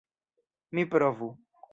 Mi provu.